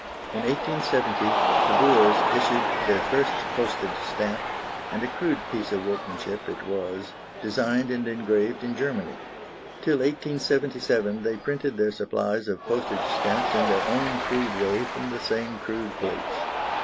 In 1870 the Boers issued their first postage stamp, and a crude piece of workmanship it was, designed and engraved in Germany. Till 1877 they printed their supplies of postage stamps in their own crude way from the same crude plates.